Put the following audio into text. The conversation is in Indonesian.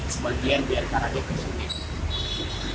sebagian biarkan aja ke sini